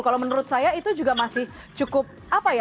kalau menurut saya itu juga masih cukup apa ya